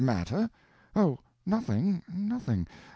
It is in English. "Matter? Oh, nothing—nothing.